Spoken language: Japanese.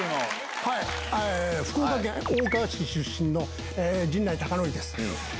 福岡県大川市出身の陣内孝則です。